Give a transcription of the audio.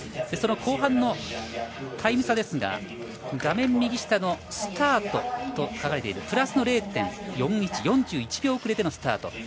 その後半のタイム差ですが画面右下のスタートと書かれているプラスの０．４１４１秒遅れでのスタート。